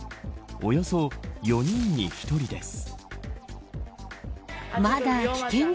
およそ４人に１人です。